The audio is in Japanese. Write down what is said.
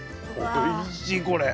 おいしいこれは。